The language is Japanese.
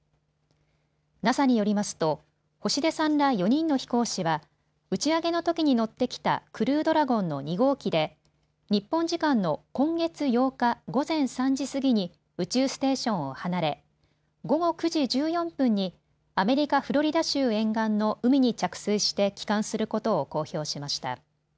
ＮＡＳＡによりますと星出さんら４人の飛行士は打ち上げのときに乗ってきたクルードラゴンの２号機で日本時間の今月８日、午前３時過ぎに宇宙ステーションを離れ午後９時１４分にアメリカ・フロリダ州沿岸の海に着水して帰還することを公表しました。